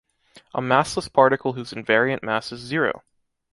A massless particle whose invariant mass is zero.